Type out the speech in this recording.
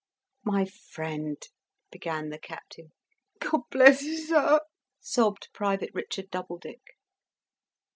"My friend " began the Captain. "God bless you, sir!" sobbed Private Richard Doubledick.